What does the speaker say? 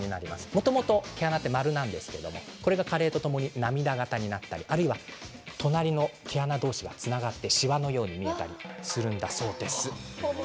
もともと毛穴は丸いんですが加齢とともに涙形になったり毛穴同士がつながってしわのように見えたりするんだそうです。